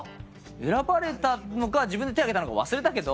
選ばれたのか自分で手を挙げたのか忘れたけど。